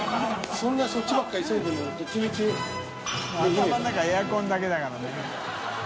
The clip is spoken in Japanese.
そんなそっちばっか急いでもどっちみちできねぇから涼エアコンだけだからね。